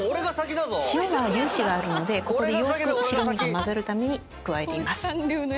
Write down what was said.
塩は粒子があるのでよく白身と混ぜるために加えてます。